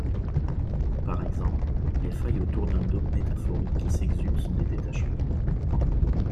Par exemple, les failles autour d'un dôme métamorphique qui s'exhume sont des détachements.